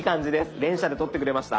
連写で撮ってくれました。